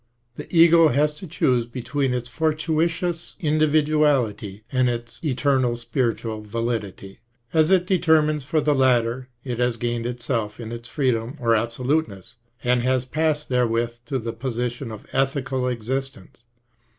The Ego has to choose between its fortuitous individuality and its eternal spiritual validity ; if it determines for the latter, it has gained itself in its freedom or absoluteness, and has passed therewith to the posi tion of ethical existence.